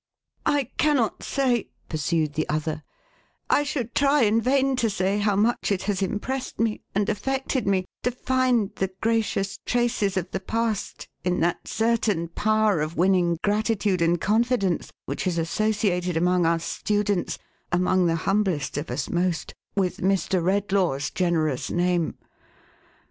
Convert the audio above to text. " I cannot say,"11 pursued the other, " I should try in vain to say, how much it has impressed me, and affected me, to find the gracious traces of the past, in that certain power of winning gratitude and confidence which is associated among us students (among the humblest of us, most) with Mr. Redlaw^s generous name.